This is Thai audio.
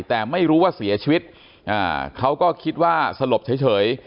แต่ไม่รู้ว่าเสียชีวิตเขาก็คิดว่าสลบเฉย